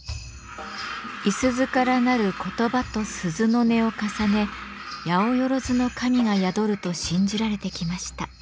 五十鈴から成る言葉と鈴の音を重ね八百万の神が宿ると信じられてきました。